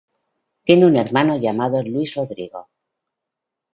Tiene un hermano llamado Luis Rodrigo.